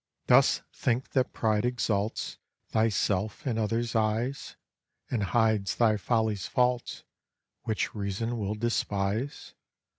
Dost think that pride exalts Thyself in other's eyes, And hides thy folly's faults, Which reason will despise?